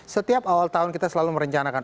setiap awal tahun kita selalu merencanakan